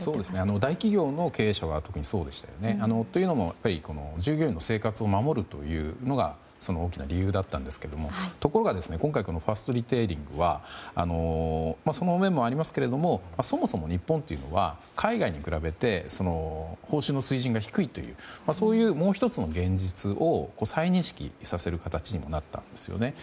大企業の経営者は特にそうでしたね。というのも従業員の生活を守るというのが大きな理由だったんですがところが今回のファーストリテイリングはその面もありますがそもそも日本というのは海外に比べて報酬の水準が低いというもう１つの現実を再認識させる形にもなったんですね。